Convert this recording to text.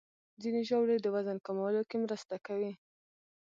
ځینې ژاولې د وزن کمولو کې مرسته کوي.